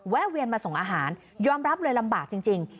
แวนมาส่งอาหารยอมรับเลยลำบากจริง